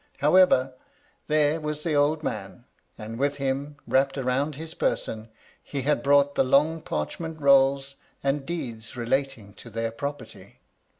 However, there was the old man ; and with him, wrapped round his person, he had brought the long parchment rolls, and deeds relating to their property.